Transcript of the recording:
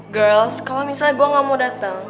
girls kalo misalnya gue gak mau dateng